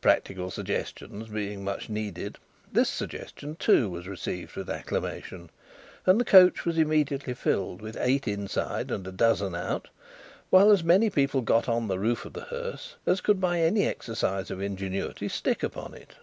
Practical suggestions being much needed, this suggestion, too, was received with acclamation, and the coach was immediately filled with eight inside and a dozen out, while as many people got on the roof of the hearse as could by any exercise of ingenuity stick upon it.